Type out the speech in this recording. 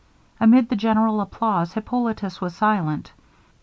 Amid the general applause, Hippolitus was silent.